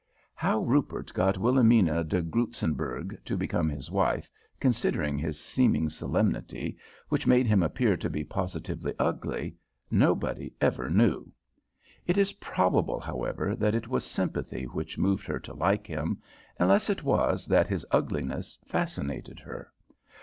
"How Rupert got Wilhelmina de Grootzenburg to become his wife, considering his seeming solemnity, which made him appear to be positively ugly, nobody ever knew. It is probable, however, that it was sympathy which moved her to like him, unless it was that his ugliness fascinated her.